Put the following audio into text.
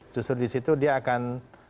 justru disitu dia akan